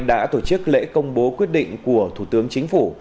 đã tổ chức lễ công bố quyết định của thủ tướng chính phủ